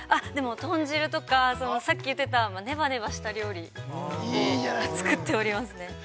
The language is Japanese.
◆豚汁とかさっき言ってた、ねばねばした料理を作っておりますね。